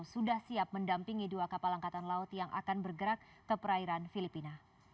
sudah siap mendampingi dua kapal angkatan laut yang akan bergerak ke perairan filipina